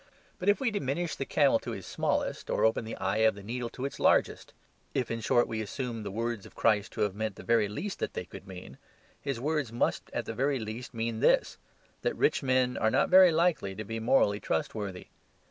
But if we diminish the camel to his smallest, or open the eye of the needle to its largest if, in short, we assume the words of Christ to have meant the very least that they could mean, His words must at the very least mean this that rich men are not very likely to be morally trustworthy.